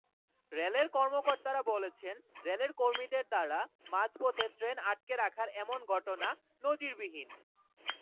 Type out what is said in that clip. রেলের কর্মকর্তারা বলছেন, রেলের কর্মীদের দ্বারা মাঝপথে ট্রেন আটকে রাখার এমন ঘটনা নজিরবিহীন।